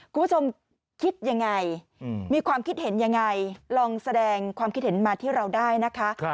คุณผู้ชมคิดยังไงมีความคิดเห็นยังไงลองแสดงความคิดเห็นมาที่เราได้นะคะ